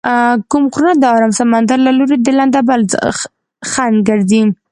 کوم غرونه د ارام سمندر له لوري د لندبل خنډ ګرځي؟